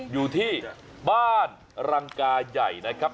อยู่ที่บ้านรังกาใหญ่นะครับ